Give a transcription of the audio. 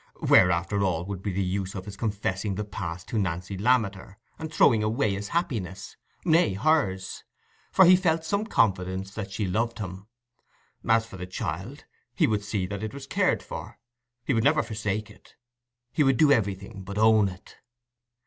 Where, after all, would be the use of his confessing the past to Nancy Lammeter, and throwing away his happiness?—nay, hers? for he felt some confidence that she loved him. As for the child, he would see that it was cared for: he would never forsake it; he would do everything but own it.